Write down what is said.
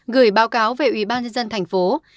gửi báo cáo về ubnd tp hcm